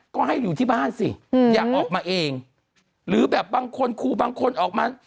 ก็ให้อยู่ที่บ้านสิอย่าออกมาเองหรือแบบบางคนครูบางคนออกมา